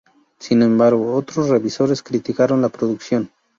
Sin embargo, otros revisores criticaron la producción.